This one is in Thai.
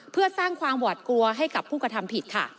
เพื่อสร้างความหวาดกลัวให้กับผู้กระทำผิดค่ะ